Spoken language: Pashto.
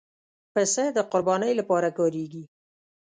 پسه د قربانۍ لپاره کارېږي.